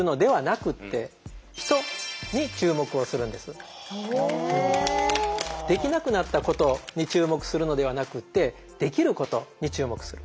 これはできなくなったことに注目するのではなくってできることに注目する。